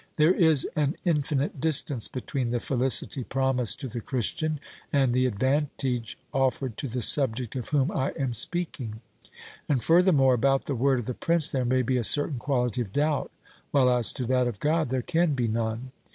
There is an infinite distance between the felicity promised to the Christian and the advantage offered to the subject of 276 OBERMANN whom I am speaking ; and, furthermore, about the word of the prince there may be a certain quality of doubt, while as to that of God there can be none.